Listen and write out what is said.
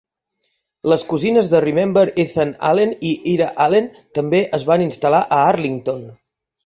Les cosines de Remember Ethan Allen i Ira Allen també es van instal·lar a Arlington.